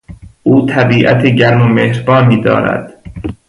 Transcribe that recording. او طبیعت گرم و مهربانی دارد.